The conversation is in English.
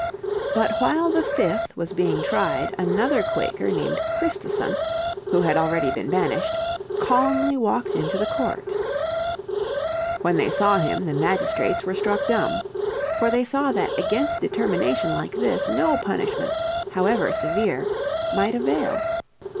But while the fifth was being tried another Quaker named Christison, who had already been banished, calmly walked into the court. When they saw him the magistrates were struck dumb. For they saw that against determination like this no punishment, however severe, might avail.